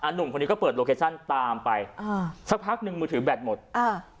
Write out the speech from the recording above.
หนุ่มคนนี้ก็เปิดโลเคชั่นตามไปอ่าสักพักหนึ่งมือถือแบตหมดอ่า